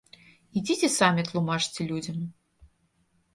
Ідзіце самі тлумачце людзям.